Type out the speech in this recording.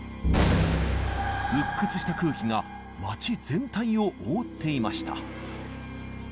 鬱屈とした空気が街全体を覆っていました。